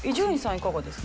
いかがですか？